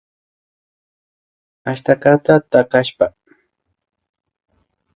Achskata takashpa